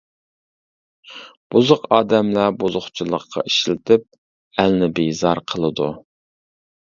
بۇزۇق ئادەملەر بۇزۇقچىلىققا ئىشلىتىپ ئەلنى بىزار قىلىدۇ.